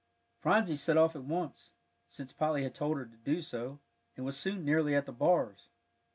Phronsie set off at once, since Polly had told her to do so, and was soon nearly at the bars.